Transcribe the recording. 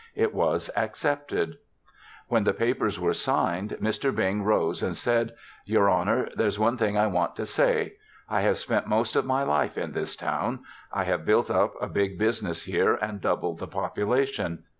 It was accepted. When the papers were signed, Mr. Bing rose and said, "Your Honor, there's one thing I want to say. I have spent most of my life in this town. I have built up a big business here and doubled the population.